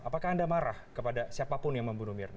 apakah anda marah kepada siapapun yang membunuh mirna